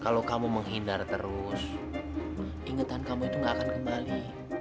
kalau kamu menghindar terus ingatan kamu itu gak akan kembali